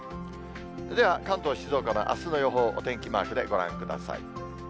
では関東、静岡のあすの予報、お天気マークでご覧ください。